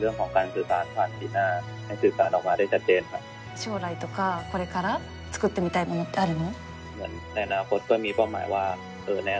将来とかこれから作ってみたいものってあるの？